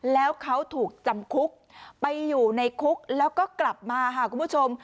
แล้วเขาถูกจำคุกไปอยู่ในคุกแล้วก็กลับมาค่ะคุณผู้ชม